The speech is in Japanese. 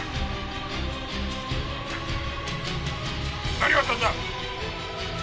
何があったんだ！？